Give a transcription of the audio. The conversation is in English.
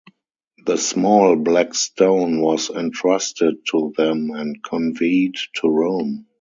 The small black stone was entrusted to them and conveyed to Rome.